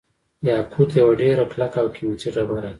یاقوت یوه ډیره کلکه او قیمتي ډبره ده.